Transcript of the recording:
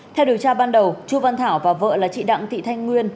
theo điều tra ban đầu chu văn thảo và vợ là chị đặng thị thanh nguyên